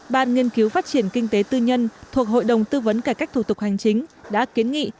ban nghiên cứu phát triển kinh tế tư nhân thuộc hội đồng tư vấn cải cách thủ tục hành chính đã kiến nghị